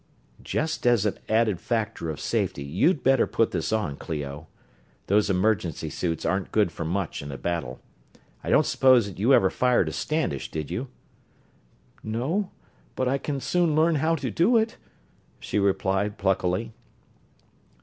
"Just as an added factor of safety, you'd better put this on, Clio those emergency suits aren't good for much in a battle. I don't suppose that you ever fired a Standish, did you?" "No, but I can soon learn how to do it," she replied, pluckily.